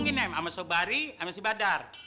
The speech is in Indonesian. nanti saya omongin ya sama sobari sama si badar